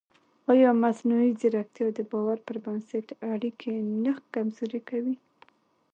ایا مصنوعي ځیرکتیا د باور پر بنسټ اړیکې نه کمزورې کوي؟